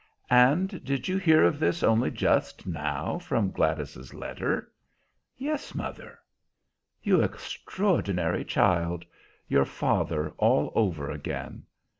"And did you hear of this only just now, from Gladys's letter?" "Yes, mother." "You extraordinary child your father all over again!